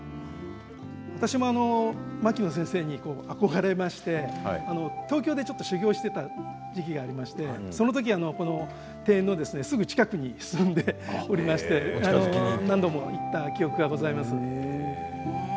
私も牧野先生に憧れまして東京でちょっと修業していた時期がありましてその時、この庭園のすぐ近くに住んでおりまして何度も行った記憶がございます。